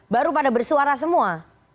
baru pada bersuara semua